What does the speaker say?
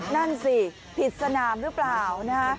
นั่นสิผิดสนามหรือเปล่านะฮะ